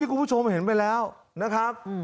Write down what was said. คุณผู้ชมเห็นไปแล้วนะครับ